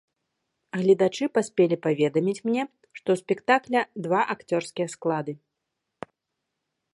Гледачы паспелі паведаміць мне, што ў спектакля два акцёрскія склады.